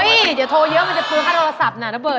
เฮ้ยเดี๋ยวโทรเยอะมันจะเผื้อค่าโทรศัพท์นะเบอร์